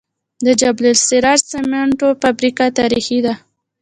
د جبل السراج سمنټو فابریکه تاریخي ده